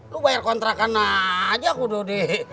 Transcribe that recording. lu bayar kontrakan aja kudu deh